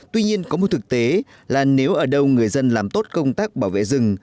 tuy nhiên có một thực tế là nếu ở đâu người dân làm tốt công tác bảo vệ rừng